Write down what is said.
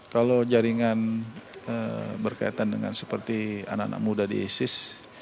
kalau jaringan berkaitan dengan seperti anak anak muda di isis